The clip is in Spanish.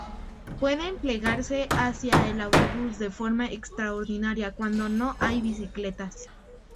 Pueden plegarse hacia el autobús, de forma extraordinaria, cuando no hay bicicletas.